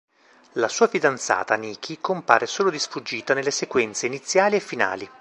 La sua fidanzata Niki, compare solo di sfuggita nelle sequenze iniziali e finali.